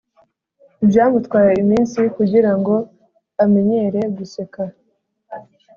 byamutwaye iminsi kugira ngo amenyere guseka